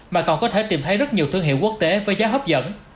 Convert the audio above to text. mà còn có thể tìm thấy rất nhiều thương hiệu quốc tế với giá hấp dẫn